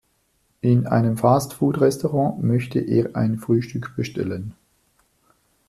In einem Fast-Food-Restaurant möchte er ein Frühstück bestellen.